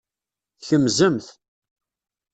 Tkemzemt.